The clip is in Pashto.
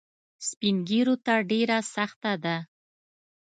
سپین ږیرو ته ډېره سخته ده.